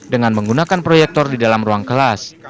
dengan menggunakan proyektor di dalam ruang kelas